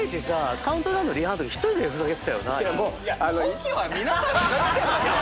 カウントダウンのリハのとき１人でふざけてたよな。